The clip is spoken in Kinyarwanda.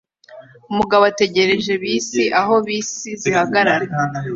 Umugabo ategereje bisi aho bisi zihagarara